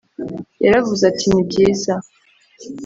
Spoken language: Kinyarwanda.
yaravuze ati ni byiza